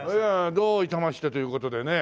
どういたましてという事でね。